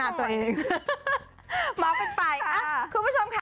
มากไปไปคุณผู้ชมค่ะ